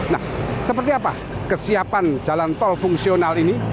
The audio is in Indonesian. nah seperti apa kesiapan jalan tol fungsional ini